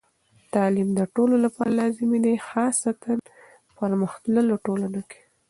تعلیم د ټولو لپاره لازمي دی، خاصتاً پرمختللو ټولنو کې.